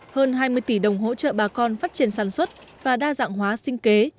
hơn hai mươi tỷ đồng hỗ trợ bà con phát triển sản xuất và đa dạng hóa sinh kế